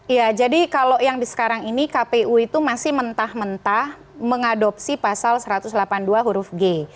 ya jadi kalau yang di sekarang ini kpu itu masih mentah mentah mengadopsi pasal satu ratus delapan puluh dua huruf g